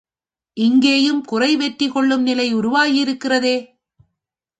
இங்கேயும் குறை வெற்றி கொள்ளும் நிலை உருவாகியிருக்கிறதே?